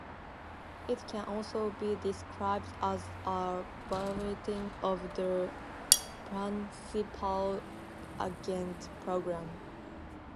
It can also be described as a variant of the principal-agent problem.